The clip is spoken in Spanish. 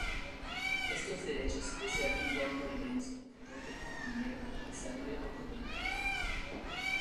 Estos derechos se adquirían por herencia, dote, dinero de sangre o por venta.